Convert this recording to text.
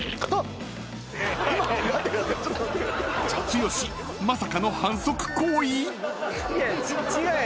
［剛まさかの反則行為⁉］違う！